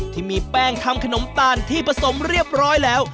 ที่มีแป้งทำขนมตาลที่ผสมเรียบร้อยแล้ว